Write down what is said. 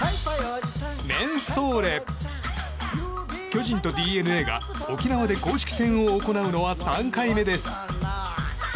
巨人とＤｅＮＡが沖縄で公式戦を行うのは３回目です。